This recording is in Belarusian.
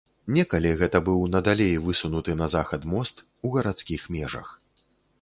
Некалі гэта быў найдалей высунуты на захад мост у гарадскіх межах.